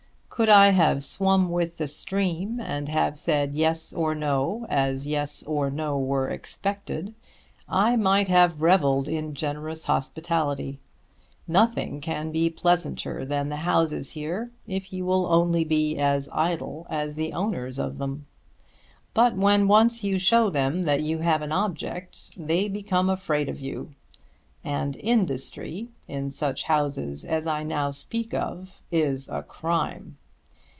Could I have swum with the stream and have said yes or no as yes or no were expected, I might have revelled in generous hospitality. Nothing can be pleasanter than the houses here if you will only be as idle as the owners of them. But when once you show them that you have an object, they become afraid of you. And industry, in such houses as I now speak of, is a crime.